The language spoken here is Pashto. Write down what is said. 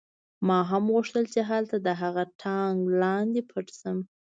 ما هم غوښتل چې هلته د هغه ټانک لاندې پټ شم